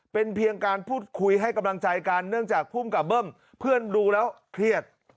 เป็นเพียงการพูดคุยให้กำลังใจกันเนื่องจากภูมิกับเบิ้มเพื่อนดูแล้วเครียด